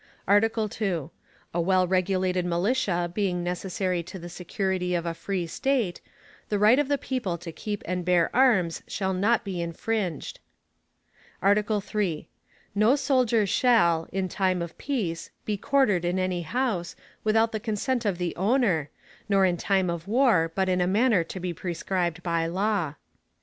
ARTICLE II. A well regulated Militia, being necessary to the security of a free State, the right of the people to keep and bear Arms, shall not be infringed. ARTICLE III. No Soldier shall, in time of peace be quartered in any house, without the consent of the Owner, nor in time of war, but in a manner to be prescribed by law.